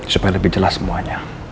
supaya lebih jelas semuanya